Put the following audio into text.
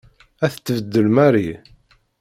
Ad t-tbeddel Mary.